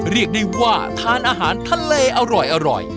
เรียกได้ว่าทานอาหารทะเลอร่อย